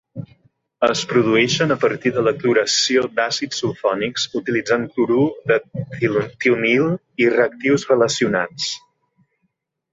Es produeixen a partir de la cloració d'àcids sulfònics utilitzant clorur de tionil i reactius relacionats.